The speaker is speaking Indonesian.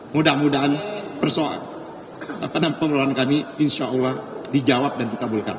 mudah mudahan persoalan dan pengelolaan kami insya allah dijawab dan dikabulkan